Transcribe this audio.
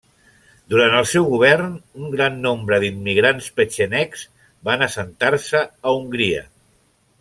Durant el seu govern, un gran nombre d'immigrants petxenegs van assentar-se a Hongria.